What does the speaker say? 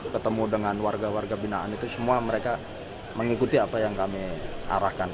ketemu dengan warga warga binaan itu semua mereka mengikuti apa yang kami arahkan